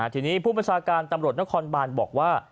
ทีนี้ผู้ประชาการตำรวจนครบานบอกว่า